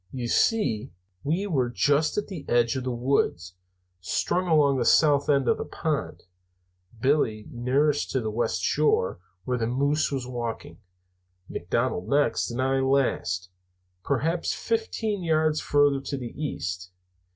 "You see, we were just in the edge of the woods, strung along the south end of the pond, Billy nearest the west shore, where the moose was walking, McDonald next, and I last, perhaps fifteen yards farther to the east.